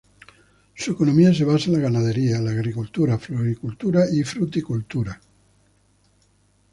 Su economía se basa en la ganadería, la agricultura, floricultura y fruticultura.